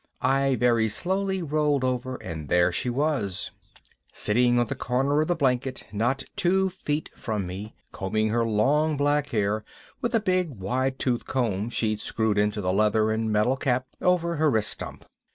I very slowly rolled over and there she was, sitting on the corner of the blanket not two feet from me, combing her long black hair with a big, wide toothed comb she'd screwed into the leather and metal cap over her wrist stump.